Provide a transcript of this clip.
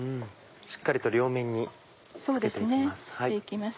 しっかりと両面に付けて行きます。